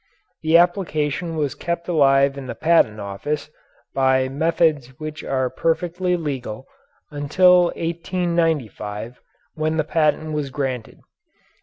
This application was kept alive in the Patent Office, by methods which are perfectly legal, until 1895, when the patent was granted.